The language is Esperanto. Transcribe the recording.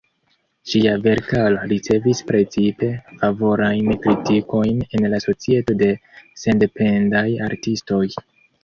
Ŝia verkaro ricevis precipe favorajn kritikojn en la Societo de Sendependaj Artistoj.